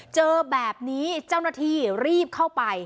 เจอแบบนี้เจ้าหน้าที่รีบเข้าไป